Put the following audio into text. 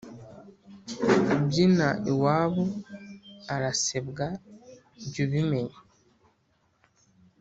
Ubyina iwabo arasebwa jy’ubimenya